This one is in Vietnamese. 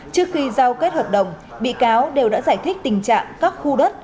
trước khi giao kết hợp đồng bị cáo đều đã giải thích tình trạng các khu đất